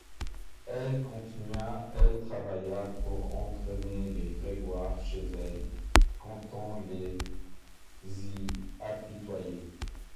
Elle continua, elle travailla pour entraîner les Grégoire chez elle, comptant les y apitoyer.